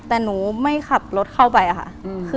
แต่หนูไม่ขับรถเข้าไปค่ะ